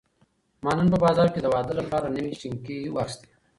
ما نن په بازار کې د واده لپاره نوې شینکۍ واخیستې.